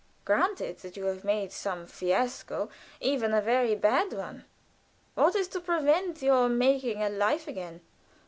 Granted that you have made some fiasco even a very bad one what is to prevent your making a life again?"